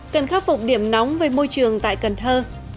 cần khắc phục điểm nóng về môi trường tại cần thơ